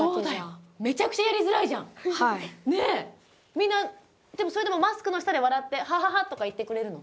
みんなでもそれでもマスクの下で笑ってハハハとか言ってくれるの？